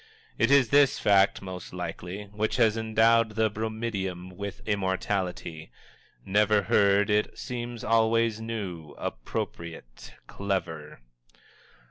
It is this fact, most likely, which has endowed the bromidiom with immortality. Never heard, it seems always new, appropriate, clever.